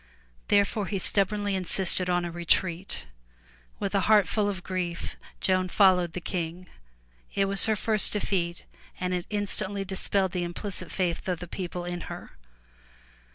Therefore he stubbornly insisted on a retreat. With a heart full of grief, Joan followed the King. It was her first defeat and it instantly dispelled the implicit faith of the people in her.